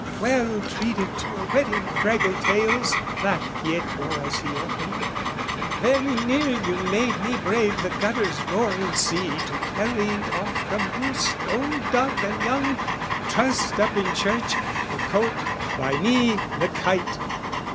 " Well treated to a wetting, draggle tails!" Laughed Pietro as he opened "Very near "You made me brave the gutter's roaring sea "To carry off from roost old dove and young, "Trussed up in church, the cote, by me, the kite!